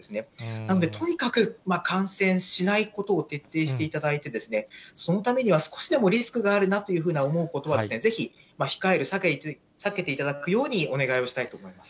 なので、とにかく感染しないことを徹底していただいて、そのためには少しでもリスクがあるなと思うことはぜひ控える、避けていただくようにお願いをしたいと思います。